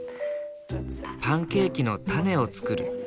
パンケーキの種を作る。